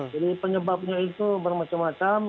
jadi penyebabnya itu bermacam macam